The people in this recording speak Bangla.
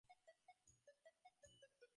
আমার তীর লক্ষ্য ভেদ করিয়াছে।